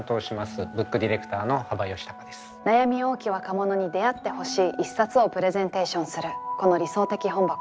悩み多き若者に出会ってほしい一冊をプレゼンテーションするこの「理想的本箱」。